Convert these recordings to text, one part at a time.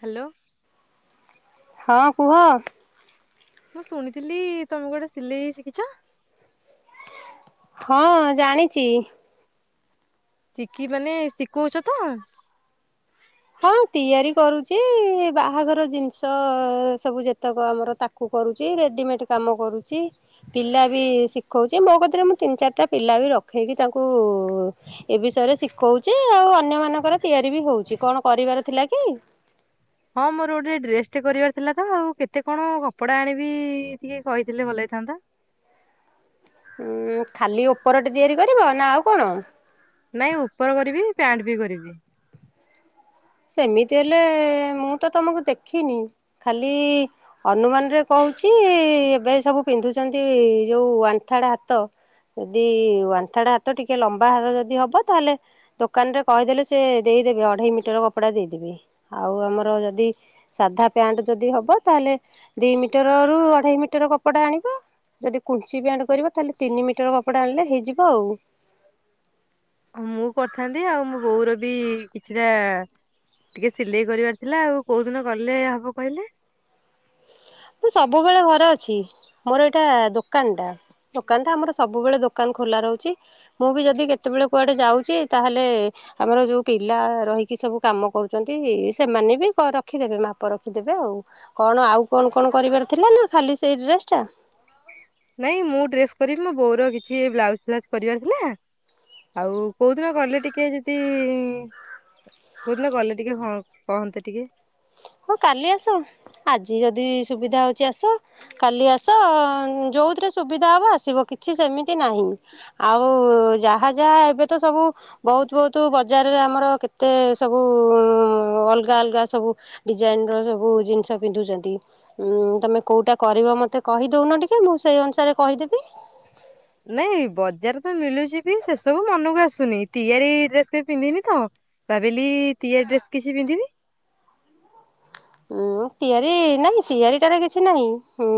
Hello. ହଁ କୁହ? ମୁଁ ଶୁଣିଥିଲି ତମକୁ ଗୋଟେ ସିଲେଇ ଶିଖିଛ? [inaudible] ହଁ ଜାଣିଛି। ଶିଖି ମାନେ ଶିଖଉଛ ତ? ହଁ ତିଆରି କରୁଛି ବାହାଘର ଜିନିଷ ସବୁ ଯେତେକ ଆମର ତାକୁ କରୁଛି ରେଡିମେଡ କାମ କରୁଛି ପିଲା ବି ଶିଖଉଛି। ସେ ମୋ କତିରେ ମୁଁ ତିନ ଚାରିଟା ପିଲା ବି ରଖେଇକି ତାଙ୍କୁ ଏ ବିଷୟରେ ଶିଖଉଛି ଆଉ ଅନ୍ୟମାନଙ୍କର ତିଆରି ବି ହଉଛି। କଣ କରିବାର ଥିଲା କି? ହଁ ମୋର ଗୋଟେ ଡ୍ରେସ ଟେ କରିବାର ଥିଲା ତ ଆଉ କେତେ କଣ କପଡା ଆଣିବି ଟିକେ କହିଥିଲେ ଭଲ ହେଇଥାନ୍ତା। ଉଁ ଖାଲି ଉପରଟେ ତିଆରି କରିବ ନା ଆଉ କଣ? ନାଇଁ ଉପର କରିବି ପ୍ୟାଣ୍ଟ ବି କରିବି। ସେମିତି ହେଲେ ମୁଁ ତ ତମକୁ ଦେଖିନି। ଖାଲି ଅନୁମାନ ରେ କହୁଛି ଏବେ ସବୁ ପିନ୍ଧୁଛନ୍ତି ଯୋଉ ୱାନ୍ ଡ ହାତ ଯଦି ୱାନ୍ ଡ ହାତ ଟିକେ ଲମ୍ବା ହାତ ଯଦି ହବ ତାହେଲେ ଦୋକାନରେ କହିଦେଲେ ସେ ଦେଇଦେବେ ଅଢେଇ ମିଟର କପଡା ଦେଇଦବି ଆଉ ଆମର ଯଦି ସାଧା ପ୍ୟାଣ୍ଟ ଯଦି ହବ ତାହେଲେ ଦି ମିଟର ରୁ ଅଢେଇ ମିଟର କପଡା ଆଣିବ ଯଦି କୁଞ୍ଚି ପ୍ୟାଣ୍ଟ କରିବ ତାହେଲେ ତିନି ମିଟର କପଡା ଆଣିଲେ ହେଇଯିବ ଆଉ। ମୁଁ କରିଥାନ୍ତି ଆଉ ମୋ ବୋଉର ବି କିଛିଟା ଟିକେ ସିଲେଇ କରିବାର ଥିଲା ଆଉ କୋଉ ଦିନ କଲେ ହବ କହିଲେ? ମୁଁ ସବୁବେଳେ ଘରେ ଅଛି। ମୋର ଏଇଟା ଦୋକାନଟା ଦୋକାନଟା ଆମର ସବୁବେଳେ ଦୋକାନ ଖୋଲା ରହୁଛି। ମୁଁ ବି ଯଦି କେତେବେଳେ କୁଆଡ଼େ ଯାଉଛି ତାହେଲେ ଆମର ଯେଉଁ ପିଲା ରହିକି ସବୁ କାମ କରୁଛନ୍ତି ସେମାନେ ବି ରଖିଦେବେ ମାପ ରଖିଦେବେ ଆଉ କଣ ଆଉ କଣ କଣ କରିବାର ଥିଲା ନା ଖାଲି ସେଇ ଡ୍ରେସ ଟା। ନାଇଁ ମୁଁ ଡ୍ରେସ କରିବି ମୋ ବୋଉର କିଛି ବ୍ଲାଉଜ ଫ୍ଲାଉଜ କରିବାର ଥିଲା ଆଉ କୋଉଦିନ କିଲ ଟିକେ [inaudible] ଯଦି କୋଉଦିନ କଲେ ଟିକେ ହ କହନ୍ତେ ଟିକେ ହଁ କାଲି ଆସ। ଆଜି ଯଦି ସୁବିଧା ହେଉଛି ଆସ କାଲି ଆସ ଯେଉଁଥିରେ ସୁବିଧା ହେବ ଆସିବ କିଛି ସେମିତି ନାହିଁ ଆଉ ଯାହା ଯାହା ଏବେ ତ ସବୁ ବହୁତ ବହୁତ ବଜାରରେ ଆମର କେତେ ସବୁ ଅଲଗା ଅଲଗା ସବୁ ଡିଜାଇନ ର ସବୁ ଜିନିଷ ପିନ୍ଧୁଛନ୍ତି ତମେ କୋଉଟା କରିବ ମତେ କହିଦଉନ ଟିକେ ମୁଁ ସେଇ ଅନୁସାରେ କହିଦେବି। ନାଇଁ ବଜାର ତ ମିଳୁଛି କି ସେସବୁ ମନକୁ ଆସୁନି ତିଆରି ଡ୍ରେସ କେ ପିନ୍ଧିନି ତ ଭାବିଲି ତିଆରି ଡ୍ରେସ କିଛି ପିନ୍ଧିବି। [inaudible] ଉଁ ତିଆରି ନାଇଁ ତିଆରିଟାରେ କିଛି ନାହିଁଁ।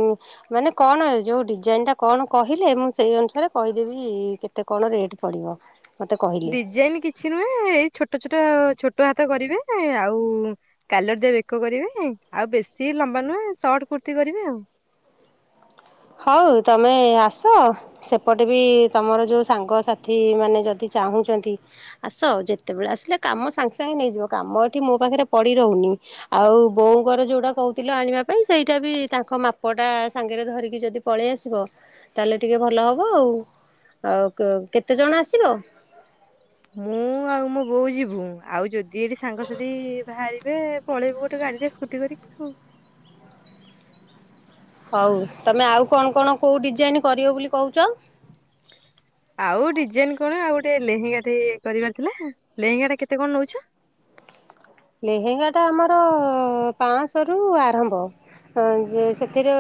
ମାନେ କଣ ଯୋଉ ଡିଜାଇନ ଟା କଣ କହିଲେ ମୁଁ ସେଇ ଅନୁସାରେ କହିଦେବି କେତେ କଣ ରେଟ ପଡିବ। ମତେ କହିଲେ। ଡିଜାଇନ କିଛି ନୁହେଁ ଏଇ ଛୋଟ ଛୋଟ ଛୋଟ ହାତ କରିବେ ଆଉ କାଲର ଦିଆ ବେକ କରିବେ ଆଉ ବେଶୀ ଲମ୍ବା ନୁହେଁ ସର୍ଟ କୁର୍ତି କରିବେ ଆଉ। ହଉ ତମେ ଆସ ସେପଟେ ବି ତମର ଯୋଉ ସାଙ୍ଗସାଥି ମାନେ ଯଦି ଚାହୁଁଛନ୍ତି ଆସ ଯେତେବେଳେ ଆସିଲେ କାମ ସାଙ୍ଗେ ସାଙ୍ଗେ ନେଇଯିବ କାମ ଏଠି ମୋ ପାଖରେ ପଡି ରହୁନି। ଆଉ ବୋଉଙ୍କର ଯୋଉଟା କହୁଥିଲ ଆଣିବା ପାଇଁ ସେଇଟା ବି ତାଙ୍କ ମାପଟା ସାଙ୍ଗରେ ଧରିକି‌ ଯଦି ପଳେଇ ଆସିବ ତାହେଲେ ଟିକେ ଭଲ ହବ ଆଉ ଆଉ କେତେ ଜଣ ଆସିବ? ମୁଁ ଆଉ ମୋ ବୋଉ ଯିବୁ ଆଉ ଯଦି ଏଠି ସାଙ୍ଗସାଥି ବାହାରିବେ ପଳେଇବୁ ଗୋଟେ ଗାଡିରେ ସ୍କୁଟି କରିକି ଆଉ। [inaudible] ହଉ ତମେ ଆଉ କଣ କଣ କେଉଁ ଡିଜାଇନ୍ କରିବ ବୋଲି କହୁଛ? [inaudible] ଆଉ ଡିଜାଇନ କଣ ଆଉ ଗୋଟେ ଲେହେଙ୍ଗା ଟେ କରିବାର ଥିଲା ଲେହେଙ୍ଗା ଟା କେତେ କଣ ନଉଛ? ଲେହେଙ୍ଗା ଟା ଆମର ପାଞ୍ଚଶହ ରୁ ଆରମ୍ଭ ଯେ ସେଥିରେ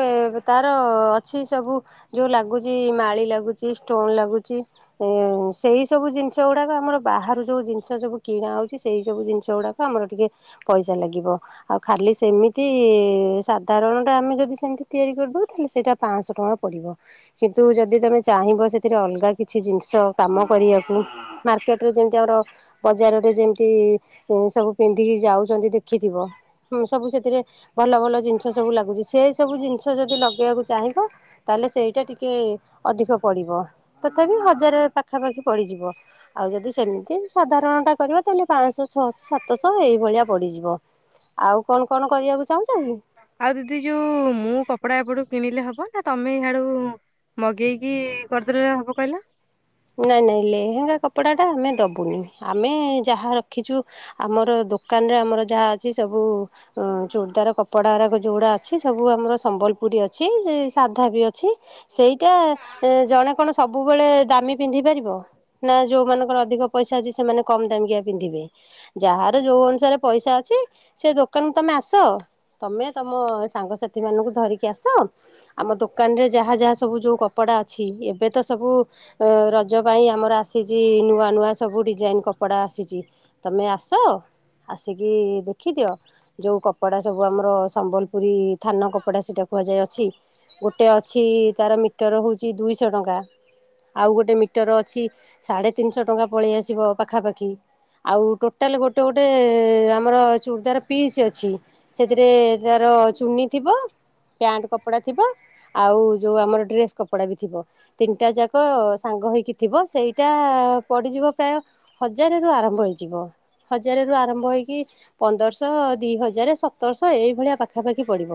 ତାର ଅଛି ସବୁ ଯୋଉ ଲାଗୁଛି ମାଳି ଲାଗୁଛି ଷ୍ଟୋନ ଲାଗୁଛି ଏ ସେଇ ସବୁ ଜିନିଷ ଗୁଡାକ ଆମର ବାହାରୁ ଯୋଉ ଜିନିଷ ସବୁ କିଣା ହଉଛି ସେଇ ସବୁ ଜିନିଷ ଗୁଡାକ ଆମର ଟିକେ ପଇସା ଲାଗିବ ଆଉ ଖାଲି ସେମିତି ସାଧାରଣଟା ଆମେ ଯଦି ସେମିତି ତିଆରି କରିଦେବୁ ତାହାଲେ ସେଇଟା ପାଞ୍ଚଶହ ଟଙ୍କା ପଡ଼ିବ। କିନ୍ତୁ ଯଦି ତମେ ଚାହିଁବ ସେଥିରେ ଅଲଗା କିଛି ଜିନିଷ କାମ କରିବାକୁ ମାର୍କେଟରେ ଯେମିତି ଆମର ବଜାରରେ ଯେମିତି ସବୁ ପିନ୍ଧିକି ଯାଉଛନ୍ତି ଦେଖିଥିବ ସବୁ ସେଥିରେ ଭଲ ଭଲ ଜିନିଷ ସବୁ ଲାଗୁଛି ସେ ସବୁ ଜିନିଷ ଯଦି ଲଗେଇବାକୁ ଚାହିଁବ ତାହେଲେ ସେଇଟା ଟିକେ ଅଧିକ ପଡ଼ିବ ତଥାପି ହଜାରେ ପାଖାପାଖି ପଡ଼ିଯିବ ଆଉ ଯଦି ସେମିତି ସାଧାରଣଟା କରିବ ତାହେଲେ ପାଞ୍ଚଶହ ଛଅଶହ ସାତଶହ। ତ ସବ ଏଇଭଳିଆ ପଡିଯିବ ଆଉ କଣ କଣ କରିବାକୁ ଚାହୁଁଛ କି? ଆଉ ଦିଦି ଯୋଉ ମୁଁ କପଡା ଏପଟୁ କିଣିଲେ ହବ ନା ତମେ ଇଆଡୁ ମଗେଇକି କରିଦେଲେ ହବ କହିଲ। ନାଇଁ ନାଇଁ ଲେହେଙ୍ଗା କପଡା ଟା ଆମେ ଦବୁନି ଆମେ ଯାହା ରଖିଛୁ ଆମର ଦୋକାନରେ ଆମର ଯାହା ଅଛି ସବୁ ଚୋରଦାର କପଡା ଗାକ ଯୋଉଗୁଡା ଅଛି ସବୁ ଆମର ସମ୍ବଲପୁରୀ ଅଛି ସାଧା ବି ଅଛି ସେଇଟା ଜଣେ କଣ ସବୁବେଳେ ଦାମୀ ପିନ୍ଧି ପାରିବ ନା ଯୋଉମାନାନଙ୍କର ଅଧିକ ପଇସା ଅଛି ସେମାନେ କମ ଦାମ କି ପିନ୍ଧିବେ। ଯାହାର ଯୋଉ ଅନୁସାରେ ପଇସା ଅଛି ସେ ଦୋକାନରୁ ତମେ ଆସ ତମେ ତମ ସାଙ୍ଗସାଥି ମାନଙ୍କୁ ଧରିକି ଆସ ଆମ ଦୋକାନ ରେ ଯାହା ଯାହା ସବୁ ଯୋଉ କପଡା ଅଛି ଏବେ ତ ସବୁ ରଜ ପାଇଁ ଆମର ଆସିଛି ନୂଆ ନୂଆ ସବୁ ଡିଜାଇନ କପଡ଼ା ଆସିଛି ତୁମେ ଆସ ଆସିକି ଦେଖିଦିଅ ଯେଉଁ କପଡ଼ା ସବୁ ଆମର ସମ୍ବଲପୁରୀ ଥାନ କପଡ଼ା ସେଇଟା କୁହାଯାଏଅଛି ଗୋଟେ ଅଛି ତାର ମିଟର ହେଉଛି ଦୁଇଶହ ଟଙ୍କା। ଆଉ ଗୋଟେ ମିଟର ଅଛି ସାଢେ ତିନିଶହ ଟଙ୍କା ପଳେଇ ଆସିବ ପାଖାପାଖି ଆଉ ଟୋଟାଲ ଗୋଟେ ଗୋଟେ ଆମର ଚୁଡ଼ିଦାର ପିସ୍ ଅଛି ସେଥିରେ ତାର ଚୁନି ଥିବ ପ୍ୟାଣ୍ଟ କପଡା ଥିବ ଆଉ ଯୋଉ ଆମର ଡ୍ରେସ କପଡା ବି ଥିବ ତିନିଟା ଯା ସାଙ୍ଗ ହୋଇକି ଥିବ ସେଇଟା ପଡ଼ିଯିବ ପ୍ରାୟ ହଜାରରୁ ଆରମ୍ଭ ହୋଇଇଯିବ ହଜାରରୁ ଆରମ୍ଭ ହୋଇଇକି ପନ୍ଦରଶହ ଦୁଇ ହଜାର ସତରଶହ ଏଇଭଳିଆ ପାଖାପାଖି ପଡ଼ିବ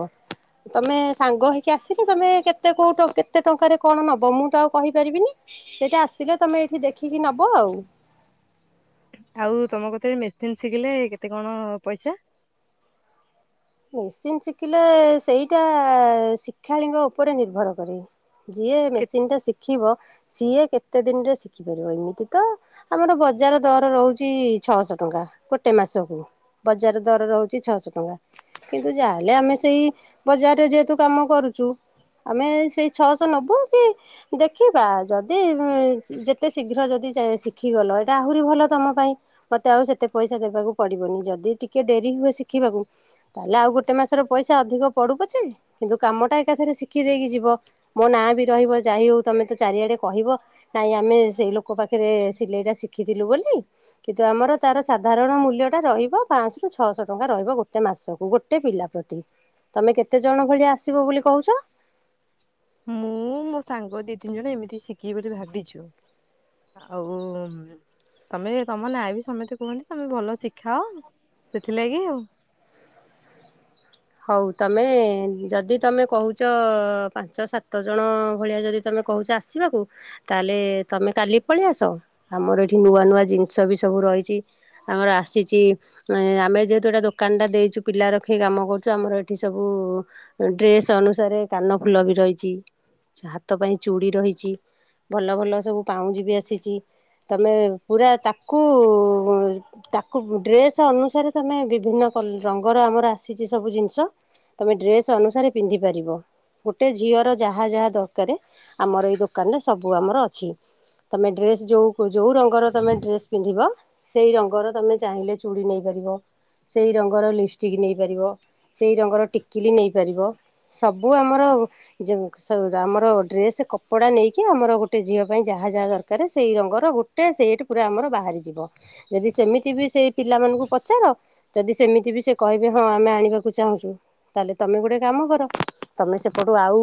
ତମେ ସାଙ୍ଗ ହୋଇଇକି ଆସିଲେ ତୁମେ କେତେ କେଉଁ କେତେ ଟଙ୍କାରେ କଣ ନେବ ମୁଁ ତ ଆଉ କହି କହି ପାରିବିନି ସେଇଠା ଆସିଲେ ତମେ ଏଇଠି ଦେଖିକି ନବ ଆଉ। ଆଉ ତମ କଥରେ ମେସିନ୍ ଶିଖିଲେ କେତେ କଣ ପଇସା। ମେସିନ୍ ଶିଖିଲେ ସେଇଟା ଶିକ୍ଷାଳୀଙ୍କ ଉପରେ ନିର୍ଭର କରେ। ଯିଏ କେ ମେସିନ୍ ଟା ଶିଖିବ। ସିଏ କେତେ ଦିନରେ ଶିଖିପାରିବ ଏମିତି ତ ଆମର ବଜାର ଦର ରହୁଛି ଛଅଶହ ଟଙ୍କା ଗୋଟେ ମାସକୁ ବଜାର ଦର ରହୁଛି ଛଅଶହ ଟଙ୍କା। କିନ୍ତୁ ଯାହେଲେ ଆମେ ସେଇ ବଜାରରେ ଯେହେତୁ କାମ କରୁଛୁ ଆମେ ସେଇ ଛଅଶହ ନବୁ କି ଦେଖିବା ଯଦି ଯେତେ ଶୀଘ୍ର ଯଦି ଶିଖିଗଲ ଏଇଟା ଆହୁରି ଭଲ ତମ ପାଇଁ ମତେ ଆଉ ସେତେ ପଇସା ଦେବାକୁ ପଡିବନି ଯଦି ଟିକେ ଡେରି ହୁଏ ଶିଖିବାକୁ। ତାହେଲେ ଆଉ ଗୋଟେ ମାସର ପଇସା ଅଧିକ ପଡୁ ପଛେ କିନ୍ତୁ କାମଟା ଏକାଥରେ ଶିଖି ଦେଇକି ଯିବ ମୋ ନାଁ ବି ରହିବ ଯାଇ ହଉ ତମେ ତ ଚାରିଆଡେ କହିବ ନାଇଁ ଆମେ ସେଇ ଲୋକ ପାଖରେ ସିଲେଇ ଟା ଶିଖିଥିଲୁ ବୋଲି କିନ୍ତୁ ଆମର ତାର ସାଧାରଣ ମୂଲ୍ୟ ଟା ରହିବ ପାଞ୍ଚଶ ରରୁ ଛଅଶହ ଟଙ୍କା ରହିବ ଗୋଟେ। ଗୋଟେ ମାସକୁ ଗୋଟେ ପିଲା ପ୍ରତି ତମେ କେତେ ଜଣ ଭଳିଆ ଆସିବ ବୋଲି କହୁଛ? ମୁଁ ମୋ ସାଙ୍ଗ ଦି ତିନି ଜଣ ଏମିତି ଶିଖି ବୋଲି ଭାବିଛୁ ଆଉ ତମେ ତମ ନା ବି ସମସ୍ତେ କୁହନ୍ତି ତମେ ଭଲ ଶିଖାଅ ସେଥିଲାଗି ଆଉ। ହଉ ତମେ ଯଦି ତମେ କହୁଛ ପାଞ୍ଚ ସାତ ଜଣ ଭଳିଆ ଯଦି ତମେ କହୁଛ ଆସିବାକୁ ତାହେଲେ ତମେ କାଲି ପଳେଇ ଆସ ଆମର ଏଇଠି ନୂଆ ନୂଆ ଜିନିଷ ବି ସବୁ ରହିଛି ଆମର ଆସିଛି ଆମେ ଯେହେତୁ ଏଇଟା ଦୋକାନ ଟା ଦେଇଛୁ ପିଲା ରଖିି କାମ କରୁଛୁ। ଆମର ଏଠି ସବୁ ଡ୍ରେସ ଅନୁସାରେ କାନ ଫୁଲ ବି ରହିଛି ହାତ ପାଇଁ ଚୁଡି ରହିଛି ଭଲ ଭଲ ସବୁ ପାଉଁଜି ବି ଆସିଛି ତମେ ପୁରା ତାକୁ ତାକୁ ଡ୍ରେସ ଅନୁସାରେ ତମେ ବିଭିନ୍ନ ରଙ୍ଗର ଆମର ଆସିଛି। ସେ ସବୁ ଜିନିଷ ତୁମେ ଡ୍ରେସ୍ ଅନୁସାରେ ପିନ୍ଧିପାରିବ ଗୋଟେ ଝିଅର ଯାହା ଯାହା ଦରକାରେ ଆମର ଏଇ ଦୋକାନରେ ସବୁ ଆମର ଅଛି ତୁମେ ଡ୍ରେସ୍ ଯେଉଁ ଯେଉଁ ରଙ୍ଗର ତୁମେ ଡ୍ରେସ୍ ପିନ୍ଧିବ ସେଇ ରଙ୍ଗର ତୁମେ ଚାହିଁଲେ ଚୁଡ଼ି ନେଇପାରିବ ସେଇ ରଙ୍ଗର ଲିପଷ୍ଟିକ୍ ନେଇପାରିବ। ସେଇ ରଙ୍ଗର ଟିକିଲି ନେଇପାରିବ ସବୁ ଆମର ଆମର ଡ୍ରେସ୍ କପଡ଼ା ନେଇକି ଆମର ଗୋଟେ ଝିଅ ପାଇଁ ଯାହା ଯାହା ଦରକାର ସେଇ ରଙ୍ଗର ଗୋଟେ ସେଟ୍ ପୁରା ଆମର ବାହାରିଯିବ ଯଦି ସେମିତି ବି ସେଇ ପିଲାମାନଙ୍କୁ ପଚାର ଯଦି ସେମିତି ବି ସେ କହିବେ ହଁ ଆମେ ଆ। ଚାହୁଁଛୁ ତାହଲେ ତମେ ଗୋଟେ କାମ କର ତମେ ସେପଟୁ ଆଉ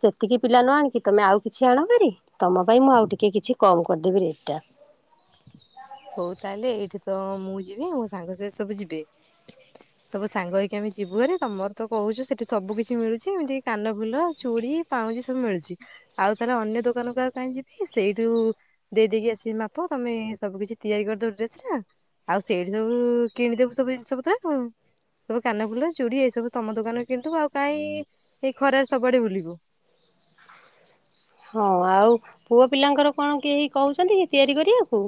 ସେତିକି ପିଲା ନ ଆଣିକି ତମେ ଆଉ କିଛି ଆଣ କରିି ତମ ପାଇଁ ମୁଁ ଆଉ ଟିକେ କିଛି କମ କରିଦେବି ରେଟ ଟା। ହଉ ତାହେଲେ ଏଇଠି ତ ମୁଁ ଯିବି ମୋ ସାଙ୍ଗ ସା ସବୁ ଯିବି ସବୁ ସାଙ୍ଗ ହେଇକି ଆମେ ଯିବୁ ଆରେ ତମର ତ କହୁଛ ସେଠି ସବୁ କିିଛି ମିଳୁଛି ଏମିତି କାନ ଫୁଲ ଚୁଡି ପାଉଁଜି ସବୁ ମିଳୁଛି ଆଉ ତାଲେ ଅନ୍ୟ ଦୋକାନ କ ଆଉ କାହିଁ ଯିବି ସେଇଠୁ ଦେଇଦେଇକି ଆସିବି ମାପ ତମେ ସବୁ କିଛି। ତିଆରି କରିଦବୁ ଡ୍ରେସ ଟା ଆଉ ସେଇଠି ସବୁ କିଣିଦବୁ ସବୁ ଜିନିଷ ପତ୍ର ଆ ସବୁ କାନଫୁଲ ଚୁଡି ଏଇ ସବୁ ତମ ଦୋକାନରେ କିଣିଦବୁ ଆଉ କାହିଁ ଏଇ ଖରାରେ ସବୁଆଡେ ବୁଲିବୁ। ହଁ ଆଉ ପୁଅ ପିଲାଙ୍କର କଣ କିଏ କହୁଛନ୍ତି କି ତିଆରି କରିବାକୁ।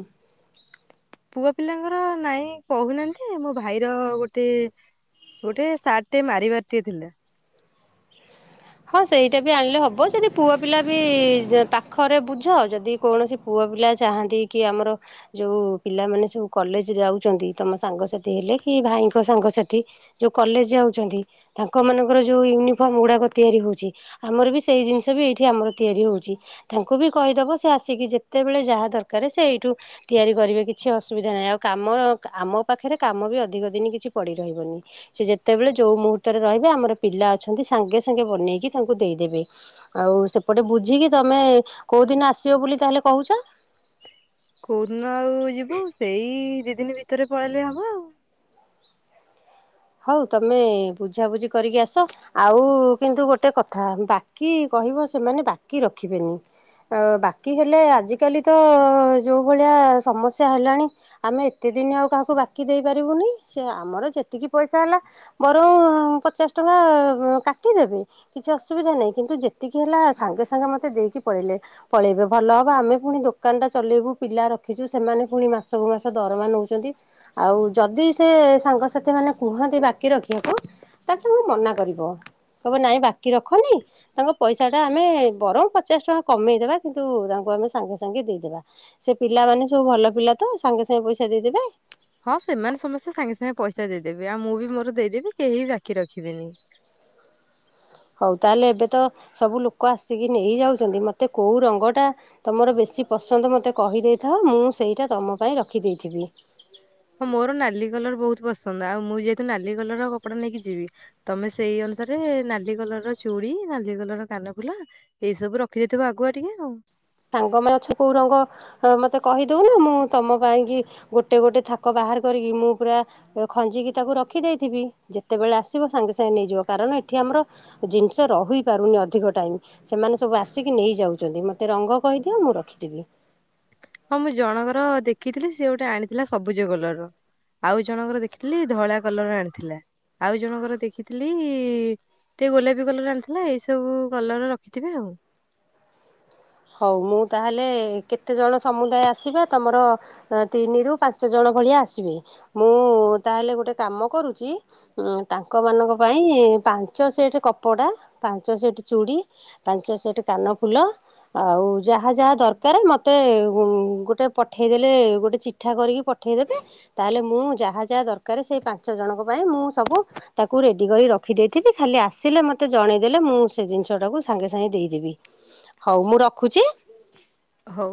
ପୁଅ ପିଲାଙ୍କର ନାଇଁ କହୁନାହାନ୍ତି ମୋ ଭାଇର ଗୋଟେ ଗୋଟେ ସାର୍ଟ ଟେ ମାରିବାର ଟେ ଥିଲା। ହଁ ସେଇଟା ବି ଆଣିଲେ ହବ ଯଦି ପୁଅ ପିଲା ବି ପାଖରେ ବୁଝ ଯଦି କୌଣସି ପୁଅ ପିଲା ଚାହାନ୍ତି କି ଆମର ଯୋଉ ପିଲାମାନେ ସବୁ କଲେଜ ଯାଉଛନ୍ତି ତମ ସାଙ୍ଗସାଥି ହେଲେ କି ଭାଇଙ୍କ ସାଙ୍ଗସାଥି ଯଉ କଲେଜ ଯାଉଛନ୍ତି ତାଙ୍କ ମାନଙ୍କର ଯୋଉ ୟୁନିଫର୍ମ ଗୁଡାକ। ତିଆରି ହଉଛି ଆମର ବି ସେଇ ଜିନିଷ ବି ଏଇଠି ଆମର ତିଆରି ହଉଛି ତାଙ୍କୁ ବି କହିଦବ ସେ ଆସିକି ଯେତେବେଳେ ଯାହା ଦରକାର ସେ ଏଇଠୁ ତିଆରି କରିବେ କିଛି ଅସୁବିଧା ନାହିଁ ଆଉ କାମ ଆମ ପାଖରେ କାମ ବି ଅଧିକ ଦିନ କିଛି ପଡ଼ି ରହିବନି ସେ ଯେତେବେଳେ ଯେଉଁ ମୁହୂର୍ତ୍ତରେ ରହିବେ ଆମର ପିଲା ଅଛନ୍ତି ସାଙ୍ଗେ ସାଙ୍ଗେ ବନେଇକି ତାଙ୍କୁ ଦେଇଦେବେ ଆଉ ସେପଟେ ବୁଝିକି ତମେ କୋଉ ଦିନ ଆସିବ ବୋଲି ତାହେଲେ କହୁଛ? କୋଉଦିନ ଆଉ ଯିବୁ ସେଇ ଦି ଦିନ ଭିତରେ ପଳେଇଲେ ହବ ଆଉ ହଉ ତମେ ବୁଝାବୁଝି କରିକି ଆସ ଆଉ କିନ୍ତୁ ଗୋଟେ କଥା ବାକି କହିବ ସେମାନେ ବାକି ରଖିବେନି ବାକି ହେଲେ ଆଜିକାଲି ତ ଯୋଉ ଭଳିଆ ସମସ୍ୟା ହେଲାଣି ଆମେ ଏତେ ଦିନ ଆଉ କାହାକୁ ବାକି ଦେଇ ପାରିବୁନି। ସେ ଆମର ଯେତିକି ପଇସା ହେଲା ବରଂ ପଚାଶ ଟଙ୍କା କାଟିଦେବେ କିଛି ଅସୁବିଧା ନାହିଁ କିନ୍ତୁ ଯେତିକି ହେଲା ସାଙ୍ଗେ ସାଙ୍ଗେ ମୋତେ ଦେଇକି ପଳେଇଲେ ପଳେଇବେ ଭଲ ହେବ ଆମେ ପୁଣି ଦୋକାନଟା ଚଲେଇବୁ ପିଲା ରଖିଛୁ ସେମାନେ ପୁଣି ମାସକୁ ମାସ ଦରମା ନଉଛନ୍ତି ଆଉ ଯଦି ସେ ସାଙ୍ଗସଥି ମାନେ କୁହନ୍ତି ବାକି ରଖିବାକୁ ତାପ ତାଙ୍କୁ ମନା କରିବ କହିବ ନାଇଁ ବାକି ରଖନି ତାଙ୍କ ପଇସାଟା ଆମେ ବରଂ ପଚାଶ ଟଙ୍କା କମେଇଦେବା କିନ୍ତୁ ତାଙ୍କୁ ଆମେ ସାଙ୍ଗେ ସାଙ୍ଗେ ଦେଇଦେବା ସେ ପିଲାମାନେ ସବୁ ଭଲ ପିଲା ତ ସାଙ୍ଗେ ସାଙ୍ଗେ ପଇସା ଦେଇଦେବେ ହଁ ସେମାନେ ସମସ୍ତେ ସାଙ୍ଗେ ସାଙ୍ଗେ ପଇସା ଦେଇଦେବେ। ଆଉ ମୁଁ ବି ମୋର ଦେଇଦେବି କେହି ବି ବାକି ରଖିବେନି। ହଉ ତାହେଲେ ଏବେ ତ ସବୁ ଲୋକ ଆସିକି ନେଇଯାଉଛନ୍ତି ମୋତେ କୋଉଁ ରଙ୍ଗଟା ତୁମର ବେଶୀ ପସନ୍ଦ ମୋତେ କହିଦେଇଥାଅ ମୁଁ ସେଇଟା ତୁମ ପାଇଁ ରଖିଦେଇଥିବି। ହଁ ମୋର ନାଲି କଲର ବହୁତ ପସନ୍ଦ ଆଉ ମୁଁ ଯେହେତୁ ନାଲି କଲର ର କପଡା ନେଇକି ଯିବି ତମେ ସେଇ ଅନୁସାରେ ନାଲି କଲର ର ଚୁଡ଼ି ନାଲି କଲର ର କାନଫୁଲା ଏଇ ସବୁ ରଖିଦେଇଥିବ ଆଗୁଆ ଟିକେ ଆଉ। ସାଙ୍ଗ ମ ଅଛ କୋଉ ରଙ୍ଗ ମତେ କହିଦଉନା ମୁଁ ତମ ପାଇଁକି ଗୋଟେ ଗୋଟେ ଥାକ ବାହାର କରିକି ମୁଁ ପୁରା ଖଞ୍ଜିକି ତାକୁ ରଖି ଦେଇେଇଥିବି ଯେତେବେଳେ ଆସିବ ସାଙ୍ଗେ ସାଙ୍ଗେ ନେଇଯିବ କାରଣ ଏଠି ଆମର ଜିନିଷ ରହି ପାରୁନି ଅଧିକ ଟାଇମ ସେମାନେ ସବୁ ଆସିକି ନେଇଯାଉଛନ୍ତି ମତେ ରଙ୍ଗ କହିଦିଅ ମୁଁ ରଖିଦେବି। ହଁ ମୁଁ ଜଣଙ୍କର ଦେଖିଥିଲି ସିଏ ଗୋଟେ ଆଣିଥିଲା ସବୁଜ କଲର ଆଉ ଜଣଙ୍କର ଦେଖିଥିଲି ଧଳା କଲର ଆଣିଥିଲା ଆଉ ଜଣଙ୍କର ଦେଖିଥିଲି ଟିକେ ଗୋଲାପୀ କଲର ଆଣିଥିଲା ଏଇ ସବୁ କଲର ରଖିଥିବେ ଆଉ ହଉ ମୁଁ ତାହେଲେ କେତେଜଣ ସମୁଦାୟ ଆସିବ ତମର ତିନିରୁୁ ପାଞ୍ଚ ଜଣ ଭଳିଆ ଆସିବେ ମୁଁ ତାହେଲେ ଗୋଟେ କାମ କରୁଛି ତାଙ୍କ ମାନଙ୍କ ପାଇଁ ପାଞ୍ଚ ସେଟ କପଡ଼ା ପାଞ୍ଚ ସେଟ ଚୁଡ଼ି ପାଞ୍ଚ ସେଟ କାନଫୁଲ ଆଉ ଯାହା ଯାହା ଦରକାର ମୋତେ ଗୋଟେ ପଠେଇଦେଲେ ଗୋଟେ ଚିଠା କରିକି ପଠେଇଦେବେ ତାହେଲେ ମୁଁ ଯାହା ଯାହା ଦରକାର ସେଇ ପାଞ୍ଚ ଜଣଙ୍କ ପାଇଁ ମୁଁ ସବୁ ତାକୁ ରେଡ଼ି କର ରଖିଦେଇଥିବି ଖାଲି ଆସିଲେ ମୋତେ ଜଣେଇଦେଲେ ମୁଁ ସେ ଜିନିଷଟାକୁ ସାଙ୍ଗେ ସାଙ୍ଗେ ଦେଇଦେବି। ହଉ ମୁଁ ରଖୁଛି। ହଉ।